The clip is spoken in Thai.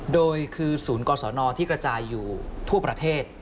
โดยคือศูนย์กศนที่กระจายอยู่ทั่วประเทศ